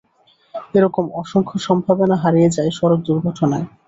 এ রকম অসংখ্য সম্ভাবনা হারিয়ে যায় সড়ক দুর্ঘটনায়।